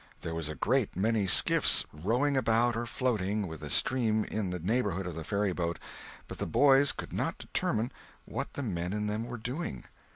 There were a great many skiffs rowing about or floating with the stream in the neighborhood of the ferryboat, but the boys could not determine what the men in them were doing.